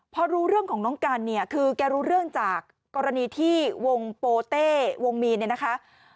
พอรู้เรื่องของน้องกันคือการรู้เรื่องจากกรณีที่วงโปเต้วงมีนนะคะ